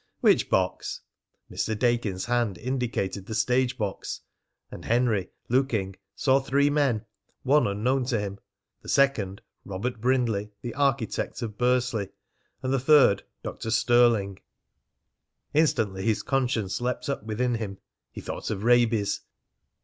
"Which box?" Mr. Dakins' hand indicated the stage box. And Henry, looking, saw three men, one unknown to him; the second, Robert Brindley, the architect, of Bursley; and the third, Dr. Stirling. Instantly his conscience leapt up within him. He thought of rabies.